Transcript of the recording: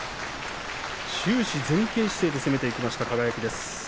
終始前傾姿勢で攻めていきました、輝。